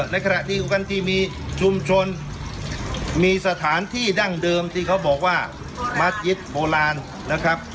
ในขณะเดียวกันที่มีชุมชนมีสถานที่ดั้งเดิมที่เขาบอกว่ามัสยิตโบราณนะครับ